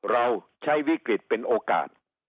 เราใช้วิกฤตเป็นโอกาส